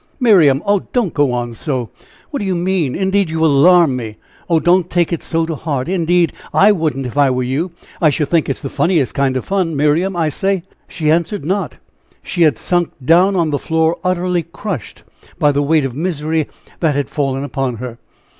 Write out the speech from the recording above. "Miriam! Oh, don't go on so! what do you mean? Indeed you alarm me! oh, don't take it so to heart! indeed, I wouldn't, if I were you! I should think it the funniest kind of fun? Miriam, I say!" She answered not she had sunk down on the floor, utterly crushed by the weight of misery that had fallen upon her.